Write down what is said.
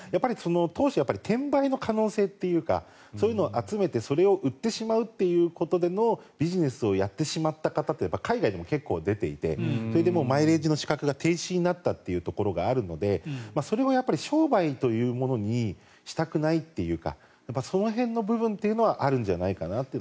当初、転売の可能性というかそういうのを集めてそれを売ってしまうビジネスをやった方って海外でも結構出ていてマイレージの資格が停止になったというところがあるのでそれは商売というものにしたくないというかその辺の部分はあるんじゃないかなと。